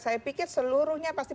saya pikir seluruhnya pasti